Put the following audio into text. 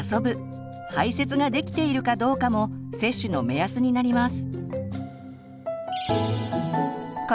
排せつができているかどうかも接種の目安になります。